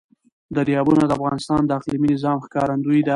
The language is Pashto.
دریابونه د افغانستان د اقلیمي نظام ښکارندوی ده.